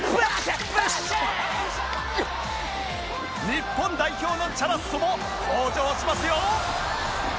日本代表のチャラッソも登場しますよ